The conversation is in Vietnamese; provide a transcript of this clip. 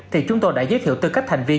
thì chúng tôi đã giới thiệu tư cách thành viên